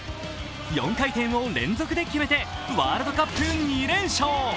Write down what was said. ４回転を連続で決めてワールドカップ２連勝。